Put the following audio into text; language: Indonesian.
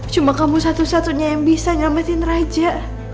cuma kamu satu satunya yang bisa nyampetin raja